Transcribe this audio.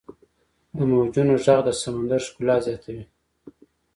• د موجونو ږغ د سمندر ښکلا زیاتوي.